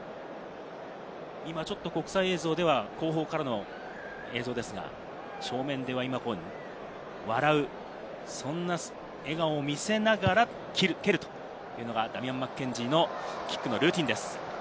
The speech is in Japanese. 今ちょっと、国際映像では後方からの映像ですが、正面では笑う、そんな笑顔を見せながら蹴るというのがダミアン・マッケンジーのキックのルーティンです。